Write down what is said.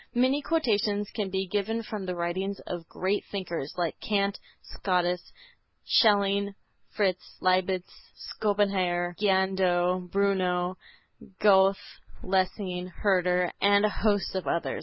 Many quotations can be given from the writings of great thinkers, like Kant, Scotus, Schelling, Fichte, Leibnitz, Schopenhauer, Giardano Bruno, Goethe, Lessing, Herder and a host of others.